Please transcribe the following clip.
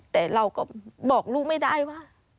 แต่เราก็บอกลูกไม่ได้ว่า